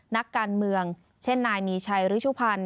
นักการเมืองเช่นนายมีชัยฤชุพันธ์